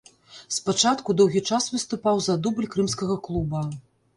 Спачатку доўгі час выступаў за дубль крымскага клуба.